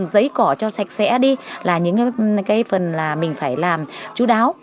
giấy cỏ cho sạch sẽ đi là những cái phần là mình phải làm chú đáo